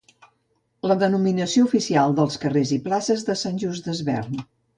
La denominació oficial dels carrers i places de Sant Just Desvern